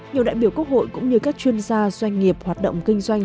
nhiều đại biểu quốc hội cũng như các chuyên gia doanh nghiệp hoạt động kinh doanh